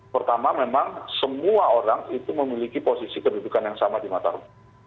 pertama memang semua orang itu memiliki posisi kedudukan yang sama di mata hukum